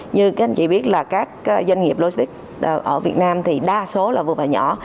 như các anh chị biết là các doanh nghiệp logistics ở việt nam thì đa số là vừa và nhỏ